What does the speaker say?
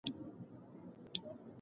غوښه په دسترخوان کې تر ټولو ډېره وه.